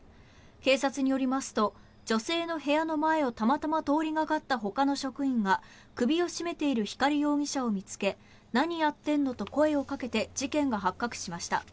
警察によりますと女性の部屋の前をたまたま通りがかった他の職員が首を絞めている光容疑者を見つけ何やってんのと声をかけて事件が発覚しました。